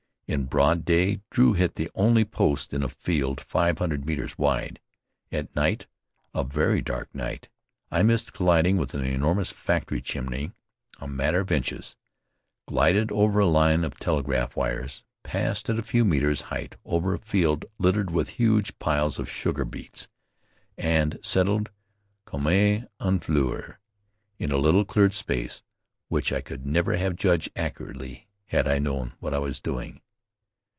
In broad day, Drew hit the only post in a field five hundred metres wide. At night, a very dark night, I missed colliding with an enormous factory chimney (a matter of inches), glided over a line of telegraph wires, passed at a few metres' height over a field littered with huge piles of sugar beets, and settled, comme une fleur, in a little cleared space which I could never have judged accurately had I known what I was doing.